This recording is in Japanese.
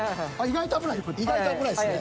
意外と危ないすね。